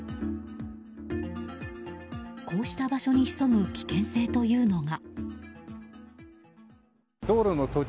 こうした場所に潜む危険性というのが。